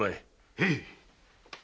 へい！